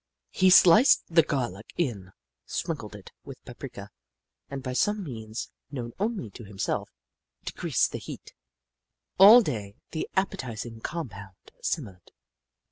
He sliced the garlic in, sprinkled it with the pap rika, and, by some means known only to himself, decreased the heat. All day the appetising compound simmered.